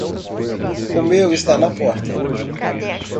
O meu está na porta.